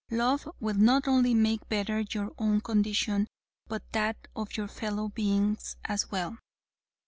Love will not only make better your own condition, but that of your fellow beings as well.